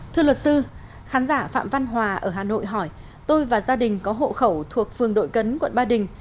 thưa luật sư khán giả phạm văn hòa ở hà nội hỏi tôi và gia đình có hộ khẩu thuộc phường đội cấn quận ba đình